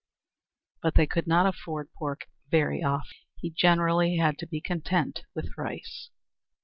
But they could not afford pork very often; he generally had to be content with rice.